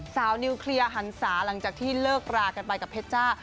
นิวเคลียร์หันศาหลังจากที่เลิกรากันไปกับเพชรจ้า